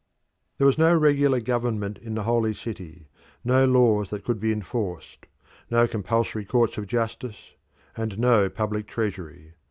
There was no regular government in the holy city, no laws that could be enforced, no compulsory courts of justice, and no public treasury.